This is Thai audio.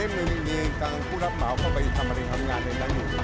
มีทางผู้รับเหมาเข้าไปทำอะไรทำงานในนั้นอยู่